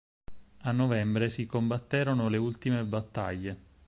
A novembre si combatterono le ultime battaglie.